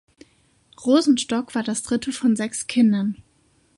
Rosenstock war das dritte von sechs Kindern.